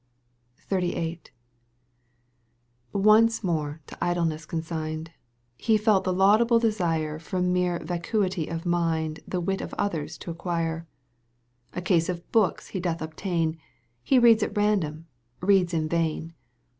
XXXVIII. Once more to idleness consigned. He felt the laudable desire From mere vacuity of mind The wit of others to acquire. A case of books he doth obtain — Ь He reads at random, reads in vain.